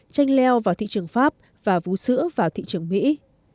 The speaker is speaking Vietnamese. tranh leo vào thị trường pháp và vú sữa vào thị trường mỹ